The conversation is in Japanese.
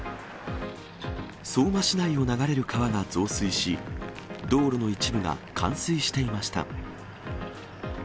相馬市内を流れる川が増水し、道路の一部が冠水していました。